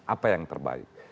apa yang terbaik